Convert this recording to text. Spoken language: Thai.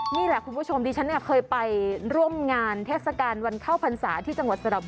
นี่แหละคุณผู้ชมดิฉันเนี่ยเคยไปร่วมงานเทศกาลวันเข้าพรรษาที่จังหวัดสระบุรี